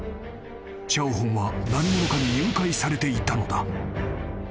［シャオホンは何者かに誘拐されていたのだ］